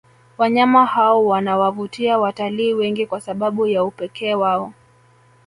Wanyama hao wanawavutia watalii wengi kwa sababu ya upekee wao